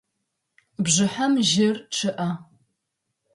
Бжыхьэм жьыр чъыӏэ.